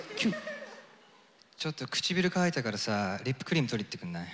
ちょっと唇乾いたからさリップクリーム取りに行ってくんない？